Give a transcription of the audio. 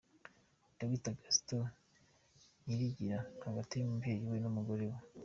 Dr Gaston Nyirigira hagati y'umubyeyi we n'umugore we.